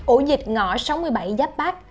ổ dịch ngõ sáu mươi bảy giáp bát